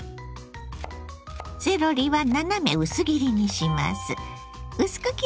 セロリは斜め薄切りにします。